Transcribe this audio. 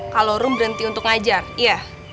kalo rom berhenti untuk ngajar iya